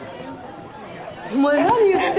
お前何言ってんだよ！